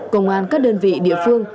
công an các đơn vị địa phương